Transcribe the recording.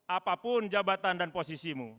apapun jabatan dan posisimu